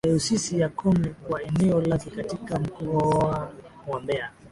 Dayosisi ya Konde kwa eneo lake katika mkoa wa Mbeya